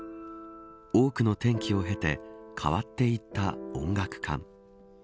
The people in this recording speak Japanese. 多くの転機を経て変わっていった音楽観。